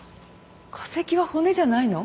化石は骨じゃないの？